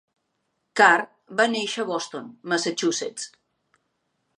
Carr va néixer a Boston, Massachusetts.